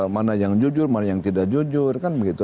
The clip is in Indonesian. mana yang jujur mana yang tidak jujur kan begitu